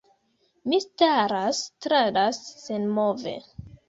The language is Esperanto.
Mi staras, staras senmove.